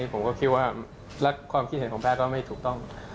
ผมก็คิดว่าและความคิดเห็นของแพทย์ก็ไม่ถูกต้อง